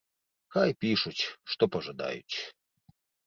Хай пішуць, што пажадаюць.